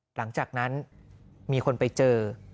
หลังจากนั้นมีคนไปเจอ